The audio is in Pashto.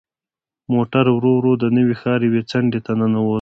موټر ورو ورو د نوي ښار یوې څنډې ته ننوت.